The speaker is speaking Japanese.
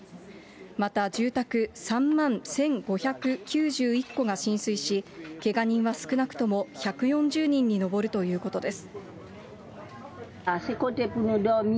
また住宅３万１５９１戸が浸水し、けが人は少なくとも１４０人に上るということです。